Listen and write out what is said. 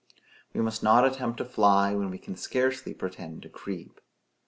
We must not attempt to fly, when we can scarcely pretend to creep.